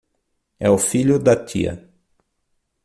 É o filho da tia